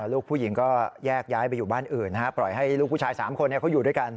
ลูกผู้หญิงก็แยกย้ายไปอยู่บ้านอื่นปล่อยให้ลูกผู้ชาย๓คนเขาอยู่ด้วยกัน